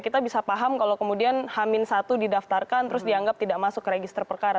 kita bisa paham kalau kemudian hamin satu didaftarkan terus dianggap tidak masuk ke register perkara